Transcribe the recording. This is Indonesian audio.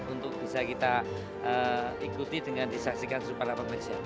untuk bisa kita ikuti dengan disaksikan sempat sempat